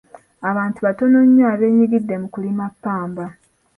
Abantu batono nnyo abeenyigidde mu kulima ppamba.